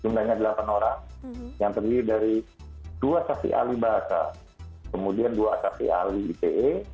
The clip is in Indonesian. jumlahnya delapan orang yang terdiri dari dua saksi ahli bahasa kemudian dua saksi ahli ite